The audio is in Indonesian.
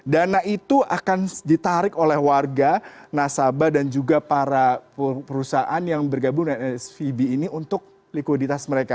dana itu akan ditarik oleh warga nasabah dan juga para perusahaan yang bergabung dengan svb ini untuk likuiditas mereka